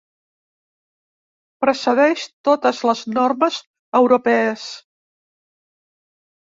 Precedeix totes les normes europees.